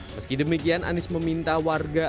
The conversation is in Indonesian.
meski demikian anies meminta warga